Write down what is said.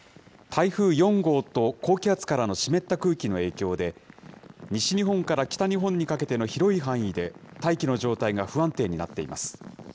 台風４号と、高気圧からの湿った空気の影響で、西日本から北日本にかけての広い範囲で、大気の状態が不安定になっています。